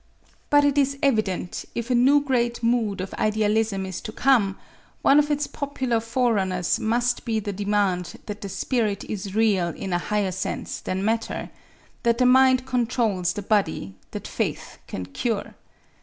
But it is evident, if a new great mood of idealism is to come, one of its popular forerunners must be the demand that the spirit is real in a higher sense than matter, that the mind controls the body, that faith can cure.